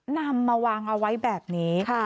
นำมาวางเอาไว้แบบนี้